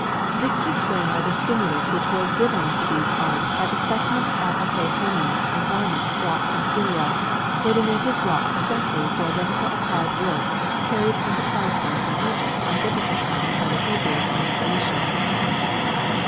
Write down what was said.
This is explained by the stimulus which was given to these arts by the specimens of appliqué hangings and garments brought from Syria, where the natives wrought for centuries the identical applied work carried into Palestine from Egypt in Biblical times by the Hebrews and the Phoenicians.